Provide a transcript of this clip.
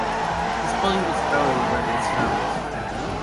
His body was buried where it was found.